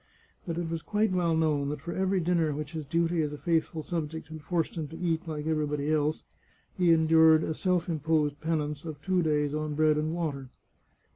But it was quite well known that for every dinner which his duty as a faithful subject had forced him to eat like everybody else, he en dured a self imposed penance of two days on bread and water.